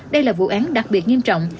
đây là vụ án đặc biệt nghiêm trọng